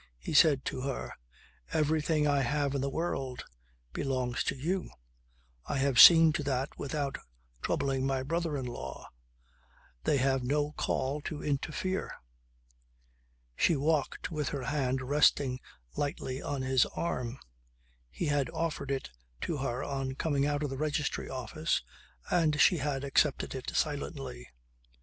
He said to her: "Everything I have in the world belongs to you. I have seen to that without troubling my brother in law. They have no call to interfere." She walked with her hand resting lightly on his arm. He had offered it to her on coming out of the Registry Office, and she had accepted it silently.